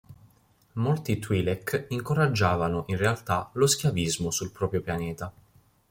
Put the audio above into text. Molti twi'lek incoraggiavano in realtà lo schiavismo sul proprio pianeta.